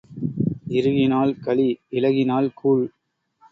இருகினால் களி இளகினால் கூழ்